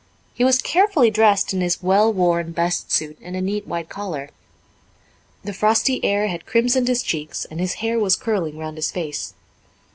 He was carefully dressed in his well worn best suit and a neat white collar. The frosty air had crimsoned his cheeks and his hair was curling round his face.